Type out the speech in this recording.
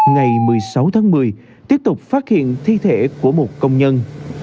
ngày một mươi sáu tháng một mươi tiếp tục phát hiện thi thể của một công nhân